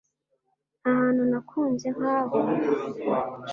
ntahantu nakunze nkaho